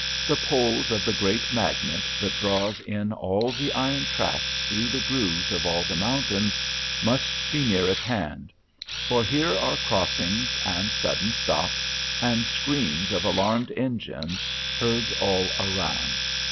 The poles of the great magnet that draws in all the iron tracks through the grooves of all the mountains must be near at hand, for here are crossings, and sudden stops, and screams of alarmed engines heard all around.